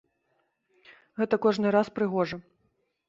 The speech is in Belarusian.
Гэта кожны раз прыгожа!